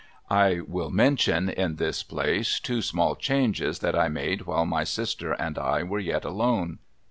I Avill mention, in this place, two small changes that I made Avhile my sister and I Avere yet alone.